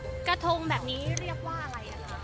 กระทงแบบนี้เรียกว่าอะไรอ่ะคะ